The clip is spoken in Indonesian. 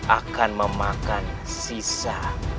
akan memakan sisa